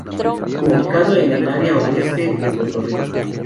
Ubicado en el área oeste de Puerto Rico.